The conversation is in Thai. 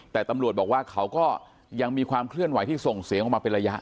แต่ตำรวจบอกว่าเขาก็ยังมีความเคลื่อนไหวที่ส่งเสียงออกมาเป็นระยะ